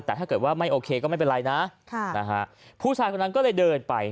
แต่ถ้าเกิดว่าไม่โอเคก็ไม่เป็นไรนะค่ะนะฮะผู้ชายคนนั้นก็เลยเดินไป